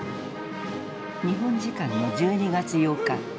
日本時間の１２月８日。